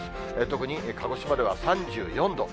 特に鹿児島では３４度。